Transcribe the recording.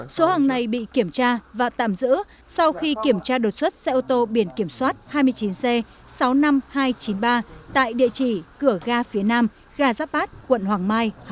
số hàng này bị kiểm tra và tạm giữ sau khi kiểm tra đột xuất xe ô tô biển kiểm soát hai mươi chín c sáu mươi năm nghìn hai trăm chín mươi ba tại địa chỉ cửa ga phía nam ga giáp bát quận hoàng mai